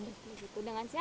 siapa yang diberi ajar